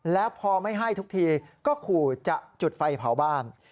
แล้วพอไม่ให้ทุกทีก็ขู่จะจุดไฟเผาบ้าน